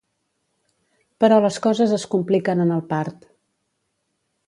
Però les coses es compliquen en el part.